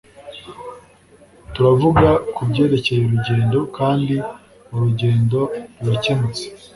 turavuga kubyerekeye urugendo, kandi urugendo rurakemutse